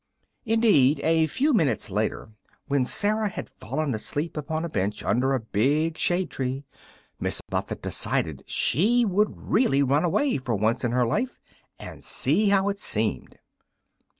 Indeed, a few minutes later, when Sarah had fallen asleep upon a bench under a big shade tree, Miss Muffet decided she would really run away for once in her life, and see how it seemed.